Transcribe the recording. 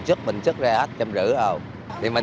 cái ngày đây là ngày trời ơi